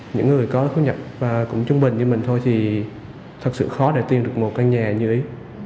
những người có thu nhập cũng trung bình như mình thôi thì thật sự khó để tìm được một căn nhà như ý